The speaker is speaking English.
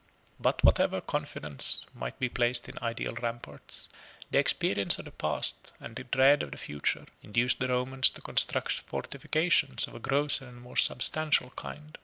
] But whatever confidence might be placed in ideal ramparts, the experience of the past, and the dread of the future, induced the Romans to construct fortifications of a grosser and more substantial kind.